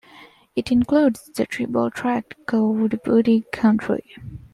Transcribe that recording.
It includes the tribal tract called Bugti country.